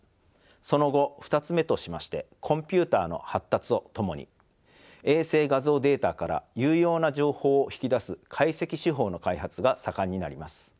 その後２つ目としましてコンピューターの発達とともに衛星画像データから有用な情報を引き出す解析手法の開発が盛んになります。